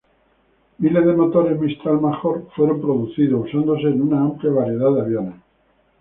Miles de motores Mistral Major fueron producidos, usándose en una amplia variedad de aviones.